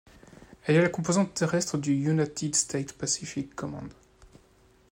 Elle est la composante terrestre du United States Pacific Command.